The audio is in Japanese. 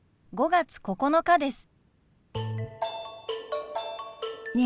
５月９日です。